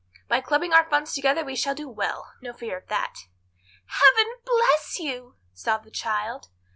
By clubbing our funds together we shall do well; no fear of that." "Heaven bless you!" sobbed the child.